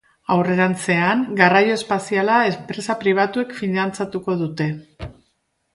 Aurrerantzean garraio espaziala enpresa pribatuek finantzatuko dute.